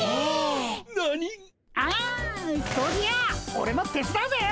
オレもてつだうぜ！